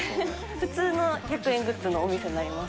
普通の１００円グッズのお店になります。